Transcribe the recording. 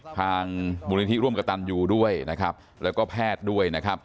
ทางบุริษัทรวมกระตันอยู่ด้วยแล้วก็แพทย์ด้วย